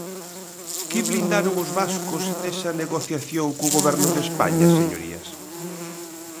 ¿Que blindaron os vascos nesa negociación co Goberno de España, señorías?